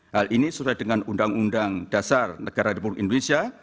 hal ini sesuai dengan undang undang dasar negara republik indonesia